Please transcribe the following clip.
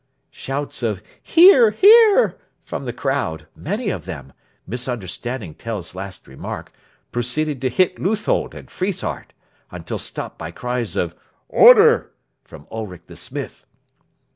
Shouts of "Hear, hear!" from the crowd, many of whom, misunderstanding Tell's last remark, proceeded to hit Leuthold and Friesshardt, until stopped by cries of "Order!" from Ulric the smith.